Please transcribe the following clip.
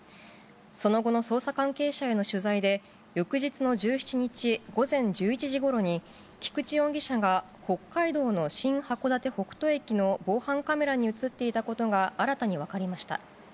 その後の捜査関係者への取材で、翌日の１７日午前１１時ごろに、菊池容疑者が北海道の新函館北斗駅の防犯カメラに写っていたことが、新たに分かりました。